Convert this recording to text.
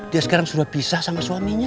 dia sekarang sudah bisa sama suaminya